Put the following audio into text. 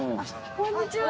こんにちは。